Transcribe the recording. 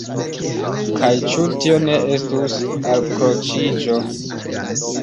Kaj ĉu tio ne estus alkroĉiĝo?